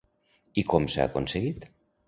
I com s'ha aconseguit?